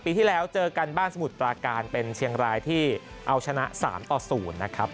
ที่แล้วเจอกันบ้านสมุทรปราการเป็นเชียงรายที่เอาชนะ๓ต่อ๐นะครับ